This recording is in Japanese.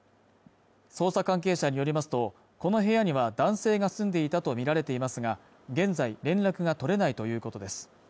捜査関係者によりますとこの部屋には男性が住んでいたとみられていますが現在連絡が取れないということです